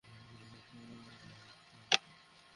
কী অবস্থা তোমাদের?